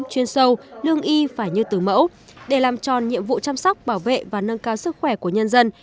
chuyên sâu lương y phải như từ mẫu để làm tròn nhiệm vụ chăm sóc bảo vệ và nâng cao sức khỏe của nhân dân